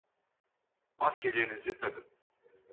Maskelerinizi takın!